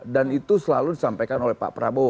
dan itu selalu disampaikan oleh pak prabowo